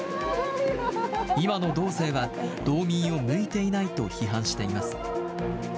今の道政は道民を向いていないと批判しています。